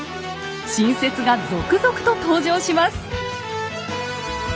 新説が続々と登場します。